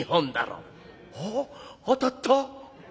「あっ当たった。